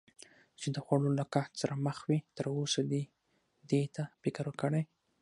چې د خوړو له قحط سره مخ وي، تراوسه دې دې ته فکر کړی؟